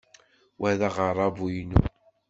Wa d aɣerrabu-inu.